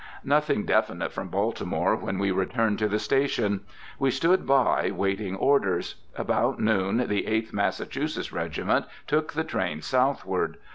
Nothing definite from Baltimore when we returned to the station. We stood by, waiting orders. About noon the Eighth Massachusetts Regiment took the train southward.